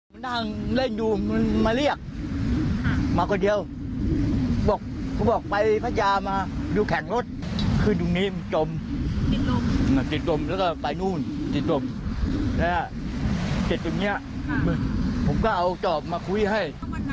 วันนั้นเขาพูดไทยกับลุงไหมพูดพูดยังไง